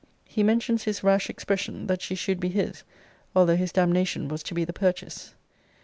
[He mentions his rash expression, That she should be his, although his damnation was to be the purchase.